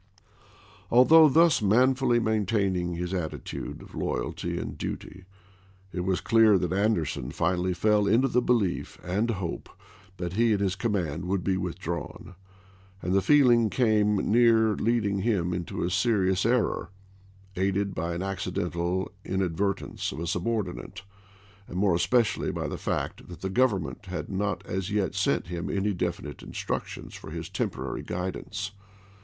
Although thus manfully maintaining his attitude of loyalty and duty, it is clear that Anderson finally fell into the belief and hope that he and his com mand would be withdrawn, and the feeling came near leading him into a serious error, aided by an accidental inadvertence of a subordinate, and more especially by the fact that the Government had not as yet sent him any definite instructions for his temporary guidance.